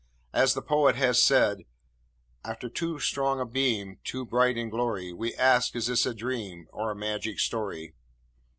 As the poet has said: After too strong a beam, Too bright a glory, We ask, Is this a dream Or magic story?